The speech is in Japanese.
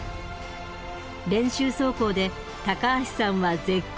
練習走行で高橋さんは絶好調。